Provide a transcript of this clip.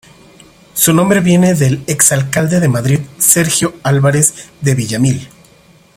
Su nombre viene del exalcalde de Madrid Sergio Álvarez de Villaamil.